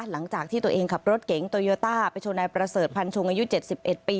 หลังจากที่ตัวเองขับรถเก๋งโตโยต้าไปโชว์นายประเสริฐพันชงอายุเจ็ดสิบเอ็ดปี